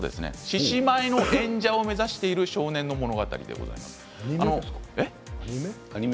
獅子舞の演者を目指している少年の物語です。